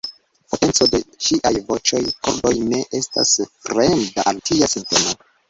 Potenco de ŝiaj voĉaj kordoj ne estas fremda al tia sinteno.